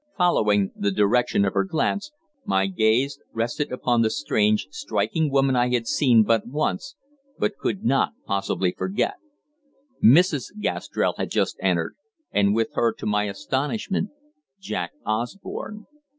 Following the direction of her glance, my gaze rested upon the strange, striking woman I had seen but once but could not possibly forget. Mrs. Gastrell had just entered, and with her, to my astonishment, Jack Osborne.